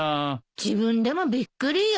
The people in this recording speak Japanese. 自分でもびっくりよ。